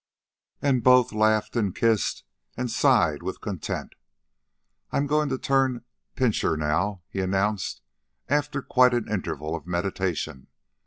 And both laughed and kissed, and sighed with content. "I'm goin' to turn pincher, now," he announced, after quite an interval of meditation.